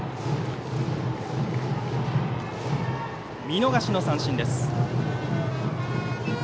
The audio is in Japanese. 見逃しの三振です。